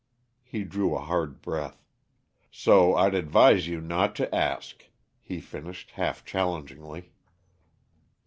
He drew a hard breath. "So I'd advise you not to ask," he finished, half challengingly.